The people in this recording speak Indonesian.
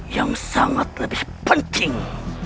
yang sangat lebih penting